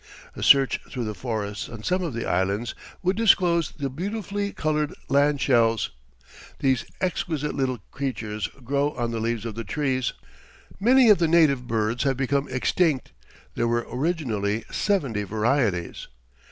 A search through the forests on some of the islands would disclose the beautifully coloured landshells. These exquisite little creatures grow on the leaves of the trees. Many of the native birds have become extinct; there were originally seventy varieties.